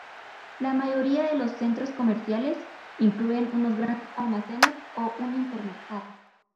La mayoría de los centros comerciales incluyen unos grandes almacenes o un hipermercado.